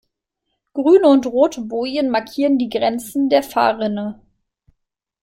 Grüne und rote Bojen markieren die Grenzen der Fahrrinne.